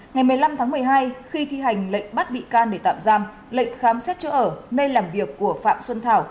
ngày một mươi năm tháng một mươi hai khi thi hành lệnh bắt bị can để tạm giam lệnh khám xét chỗ ở nơi làm việc của phạm xuân thảo